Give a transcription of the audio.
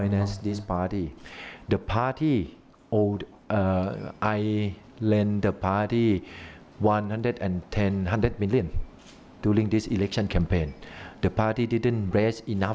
นี่รู้หรือไหมครับผมเคยบอกว่า